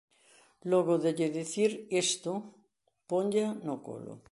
Logo de lle dicir isto, ponlla no colo.